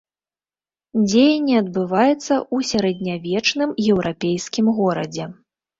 Дзеянне адбываецца ў сярэднявечным еўрапейскім горадзе.